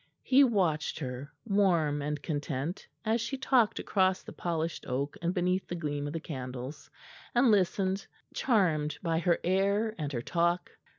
He watched her, warm and content, as she talked across the polished oak and beneath the gleam of the candles; and listened, charmed by her air and her talk.